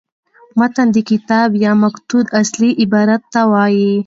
متن د کتاب یا مکتوت اصلي عبارت ته وايي.